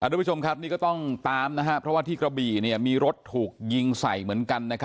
สวัสดีผู้ชมครับนี่ก็ต้องตามนะครับเพราะว่าที่กระบี่เนี่ยมีรถถูกยิงใส่เหมือนกันนะครับ